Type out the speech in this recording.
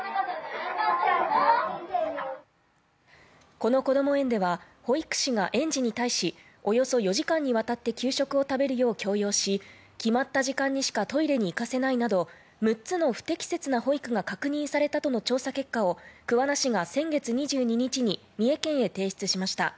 このこども園では保育士が園児に対し、およそ４時間にわたって給食を食べるよう強要し決まった時間にしかトイレに行かせないなど６つの不適切な保育が確認されたとの調査結果を桑名市が先月２２日に三重県へ提出しました。